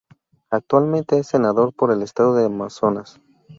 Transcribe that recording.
Actualmente es senador por el estado de Amazonas.